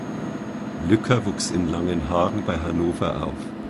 Lücker wuchs in Langenhagen bei Hannover auf.